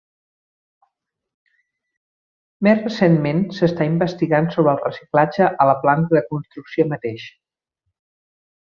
Més recentment, s'està investigant sobre el reciclatge a la planta de construcció mateix.